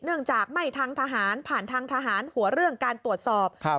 เนื่องจากไม่ทางทหารผ่านทางทหารหัวเรื่องการตรวจสอบครับ